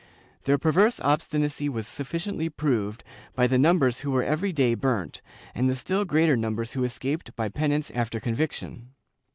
Their perverse obstinacy was sufficiently proved, by the numbers who were» every day burnt, and the still greater num bers who escaped by penance after conviction.